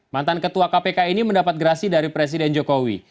mantan ketua kpk ini mendapat gerasi dari presiden jokowi